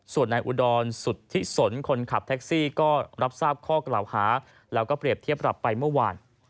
ส่วนนายอุดรสุทธิสนคนขับแท็กซี่ก็รับทราบข้อกล่าวหาแล้วก็เปรียบเทียบปรับไปเมื่อวาน